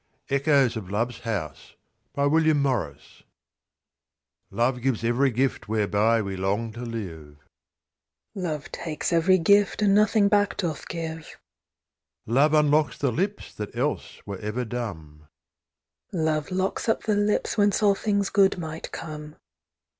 _ ECHOES OF LOVE'S HOUSE Love gives every gift whereby we long to live: "Love takes every gift, and nothing back doth give." Love unlocks the lips that else were ever dumb: "Love locks up the lips whence all things good might come."